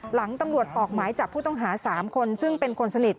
หลังตำรวจออกหมายจับผู้ต้องหา๓คนซึ่งเป็นคนสนิท